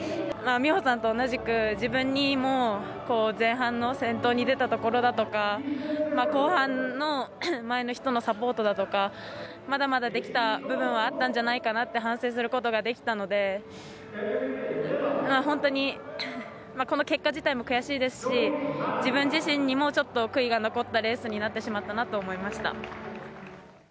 美帆さんと同じく、自分にも、こう、前半の先頭に出たところだとか、後半の前の人のサポートだとか、まだまだできた部分はあったんじゃないかなって、反省することができたので、本当にこの結果自体も悔しいですし、自分自身にも、ちょっと悔いが残ったレースになってしまったなと思いました。